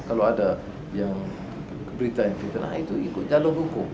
kalau ada yang berita yang fitnah itu ikut jalur hukum